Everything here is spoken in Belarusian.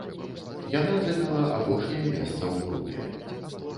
Яна заняла апошняе месца ў групе.